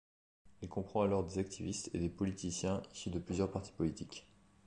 Il comprend alors des activistes et des politiciens issus de plusieurs partis politiques.